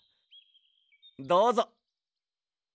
どうぞ。